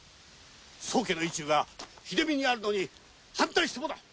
宗家の意中は秀美にあるのに反対してもだ！